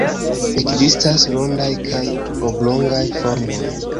Ekzistas rondaj kaj oblongaj formoj.